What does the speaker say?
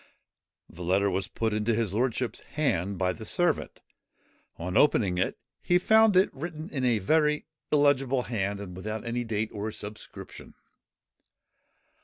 The letter was put into his lordship's hand by the servant. On opening it, he found it written in a very illegible hand, and without date or subscription.